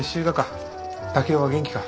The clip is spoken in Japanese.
竹雄は元気か？